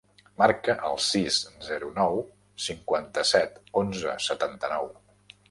Marca el sis, zero, nou, cinquanta-set, onze, setanta-nou.